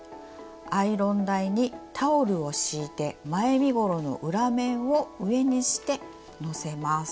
アイロン台にタオルを敷いて前身ごろの裏面を上にしてのせます。